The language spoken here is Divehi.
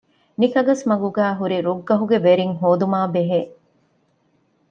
ނިކަގަސްމަގުގައި ހުރި ރުއްގަހުގެ ވެރިން ހޯދުމާބެހޭ